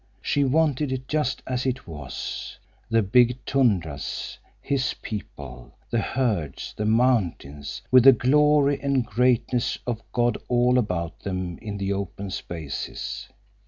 She wanted it just as it was—the big tundras, his people, the herds, the mountains—with the glory and greatness of God all about them in the open spaces.